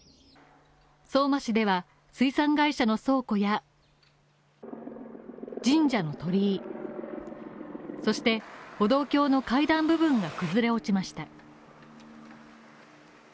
相馬市では水産会社の倉庫や神社の鳥居、そして、歩道橋の階段部分が崩れ落ちました。